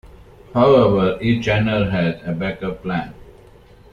However, Eychaner had a backup plan.